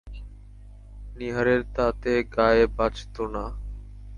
নীহারের তাতে গায়ে বাজত না।